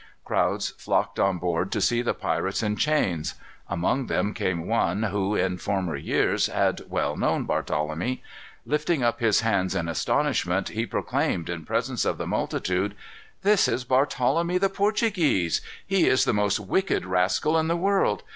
Crowds flocked on board to see the pirates in irons. Among them came one who, in former years, had well known Barthelemy. Lifting up his hands in astonishment, he proclaimed in presence of the multitude: "This is Barthelemy the Portuguese. He is the most wicked rascal in the world.